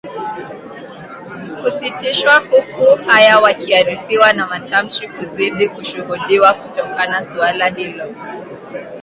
kusitishwa huku haya wakiarifiwa na matamshi kuzidi kushuhudiwa kutokana suala hilo